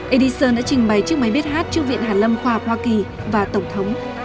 edison đã trình bày chiếc máy biết hát trước viện hàn lâm khoa học hoa kỳ và tổng thống